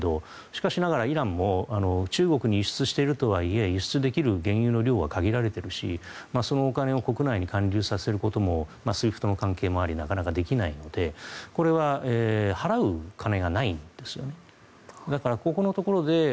しかしながらイランも中国に輸出しているとはいえ輸出できる原油の量は限られているし、そのお金を国内に還流させることもＳＷＩＦＴの関係もありなかなかできないのでこれは払う金がないんですね。